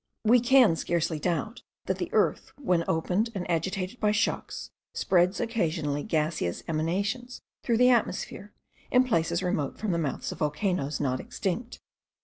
We can scarcely doubt, that the earth, when opened and agitated by shocks, spreads occasionally gaseous emanations through the atmosphere, in places remote from the mouths of volcanoes not extinct.